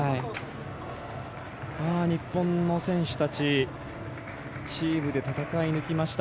日本の選手たちチームで戦い抜きました。